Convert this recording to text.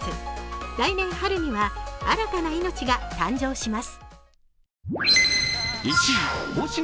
来年春には新たな命が誕生します。